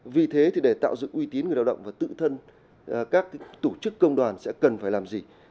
vì thế để tạo dựng uy tín người lao động và tự thân các tổ chức công đoàn sẽ cần phải làm gì